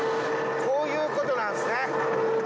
こういうことなんすね。